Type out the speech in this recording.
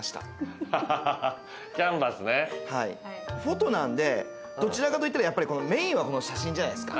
フォトなんでどちらかといったらメインは写真じゃないっすか。